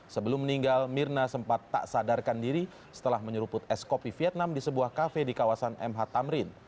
sebelum meninggal mirna sempat tak sadarkan diri setelah menyeruput es kopi vietnam di sebuah kafe di kawasan mh tamrin